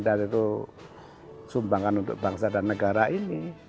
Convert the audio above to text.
saya berharap bisa menjaga sumbangan untuk bangsa dan negara ini